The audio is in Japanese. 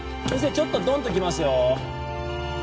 ちょっとドンときますよ